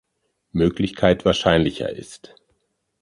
Möglichkeit wahrscheinlicher ist.